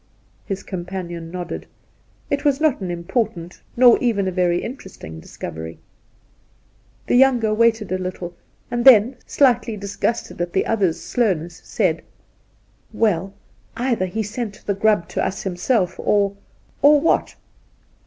His companion nodded. It was not an im portant nor even a very interesting discovery. The younger waited a little, and then, slightly disgusted at the other's slowness, said : 'Well, either he sent the grub to us himself, or—' ' Or what